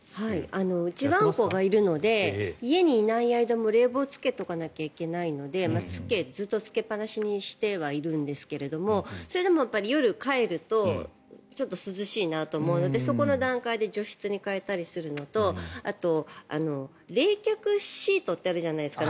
うち、ワンコがいるので家にいない間も冷房をつけておかなきゃいけないのでずっとつけっぱなしにしてはいるんですがそれでも夜、帰るとちょっと涼しいなと思うのでそこの段階で除湿に変えたりするのとあと冷却シートってあるじゃないですか。